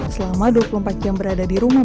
selama dua puluh empat jam berada di rumah